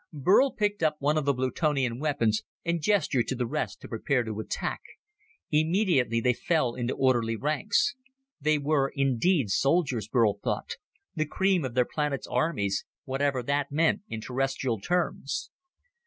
Burl picked up one of the Plutonian weapons and gestured to the rest to prepare to attack. Immediately, they fell into orderly ranks. They were, indeed, soldiers, Burl thought the cream of their planet's armies whatever that meant in Terrestrial terms.